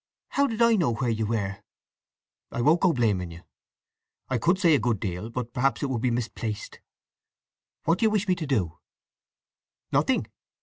How did I know where you were?" "I won't go blaming you. I could say a good deal; but perhaps it would be misplaced. What do you wish me to do?" "Nothing.